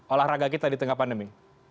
olahraga kita di tengah pandemi